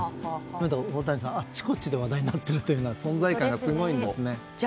それで大谷さんはあっちこっちで話題になっているというのは存在感がすごいんですね。